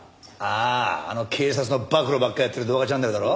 あああの警察の暴露ばっかりやってる動画チャンネルだろ？